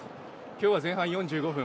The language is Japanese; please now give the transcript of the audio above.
今日は前半４５分